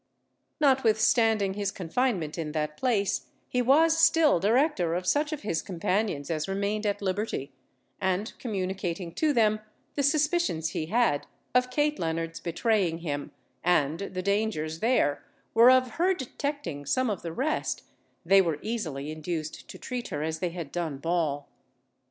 Notwithstanding his confinement in that place, he was still director of such of his companions as remained at liberty, and communicating to them the suspicions he had of Kate Leonard's betraying him, and the dangers there were of her detecting some of the rest, they were easily induced to treat her as they had done Ball.